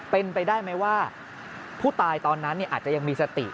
เป็นไปได้ไหมว่าผู้ตายตอนนั้นอาจจะยังมีสติ